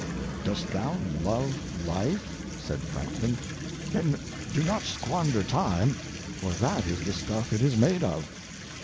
"Dost thou love life?" said Franklin, " Then do not squander time for that is the stuff it is made of."